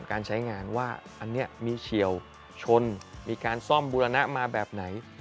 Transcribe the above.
การใช้งานว่าอันนี้มีเฉียวชนมีการซ่อมบูรณะมาแบบไหน